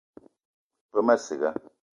Ve ma ciga